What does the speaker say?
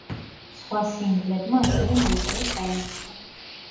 სხვა სინგლებმა ასევე მოიპოვეს წარმატება.